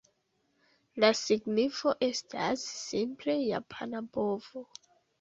La signifo estas, simple, "japana bovo".